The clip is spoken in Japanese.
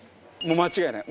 間違いない。